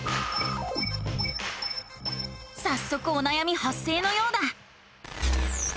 さっそくおなやみはっ生のようだ！